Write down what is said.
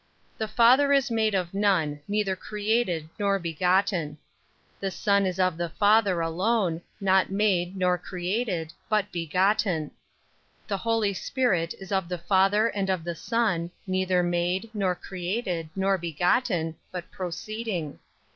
21. The Father is made of none, neither created nor begotten. 22. The Son is of the Father alone; not made nor created, but begotten. 23. The Holy Spirit is of the Father and of the Son; neither made, nor created, nor begotten, but proceeding.